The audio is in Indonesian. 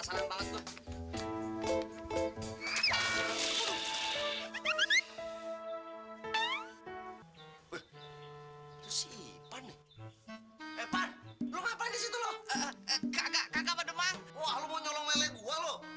siapa nih lu ngapain di situ loh kagak kagak pademang wah lu mau nyolong mele gua loh